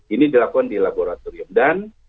ini dilakukan di laboratorium dan